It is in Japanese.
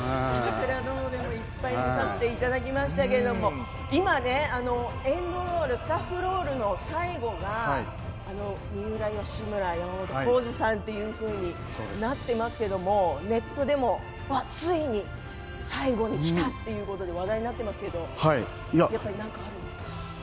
いっぱい見させていただきましたけども今、エンドロールスタッフロールの最後が三浦義村、山本耕史さんというふうになってますけれどもネットでも、ついに最後にきたということで話題になっていますけれども何かあるんですか。